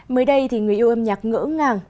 mới đây thì người yêu âm nhạc ngỡ ngàng